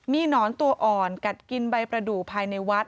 มีหนอนตัวอ่อนกัดกินใบประดูกภายในวัด